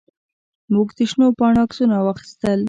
موږ د شنو پاڼو عکسونه واخیستل.